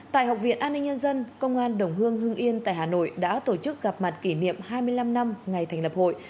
tại học viện an ninh nhân dân công an đồng hương hương yên tại hà nội đã tổ chức gặp mặt kỷ niệm hai mươi năm năm ngày thành lập hội